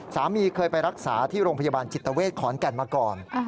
สามีเคยไปรักษาที่โรงพยาบาลจิตเวทขอนแก่นมาก่อน